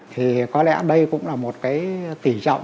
thì có lẽ đây cũng là một cái tỉ trọng